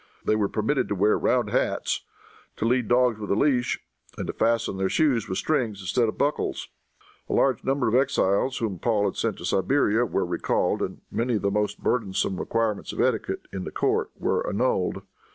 They were permitted to wear round hats, to lead dogs with a leash, and to fasten their shoes with strings instead of buckles. A large number of exiles, whom Paul had sent to Siberia, were recalled, and many of the most burdensome requirements of etiquette, in the court, were annulled.